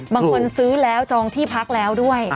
บางคนซื้อแล้วจองที่พักแล้วด้วย